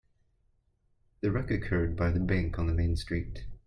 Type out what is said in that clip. The wreck occurred by the bank on Main Street.